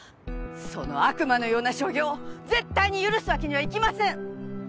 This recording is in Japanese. その悪魔のような所業絶対に許すわけにはいきません！